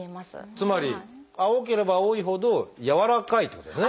つまり青ければ青いほど軟らかいってことですね。